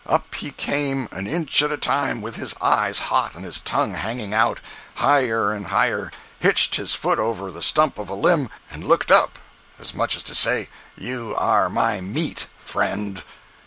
Up he came—an inch at a time—with his eyes hot, and his tongue hanging out. Higher and higher—hitched his foot over the stump of a limb, and looked up, as much as to say, 'You are my meat, friend.